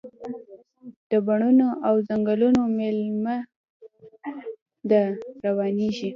د بڼوڼو او ځنګلونو میلمنه ده، روانیږي